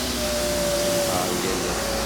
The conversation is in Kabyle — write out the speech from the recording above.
Nettenhaṛ yal ass.